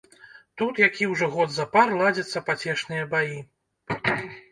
Тут які ўжо год запар ладзяцца пацешныя баі.